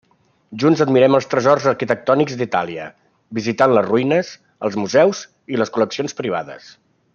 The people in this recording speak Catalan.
Junts admiren els tresors arquitectònics d'Itàlia, visitant les ruïnes, els museus i les col·leccions privades.